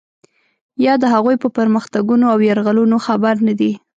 یا د هغوی په پرمختګونو او یرغلونو خبر نه دی.